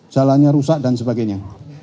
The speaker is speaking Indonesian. jalannya rusak dan sebagainya